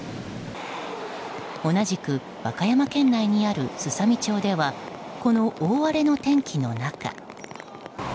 同じく和歌山県内にあるすさみ町ではこの大荒れの天気の中。